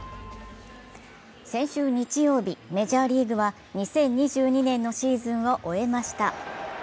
先週日曜日、メジャーリーグは２０２２年のシーズンを終えました。